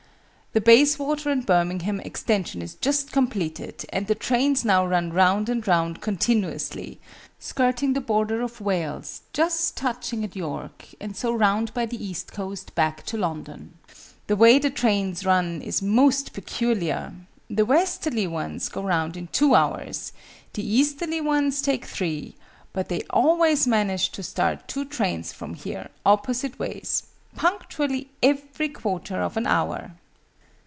"The Bayswater and Birmingham Extension is just completed, and the trains now run round and round continuously skirting the border of Wales, just touching at York, and so round by the east coast back to London. The way the trains run is most peculiar. The westerly ones go round in two hours; the easterly ones take three; but they always manage to start two trains from here, opposite ways, punctually every quarter of an hour."